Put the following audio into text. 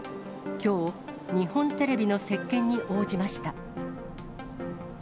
きょう、日本テレビの接見に応じました。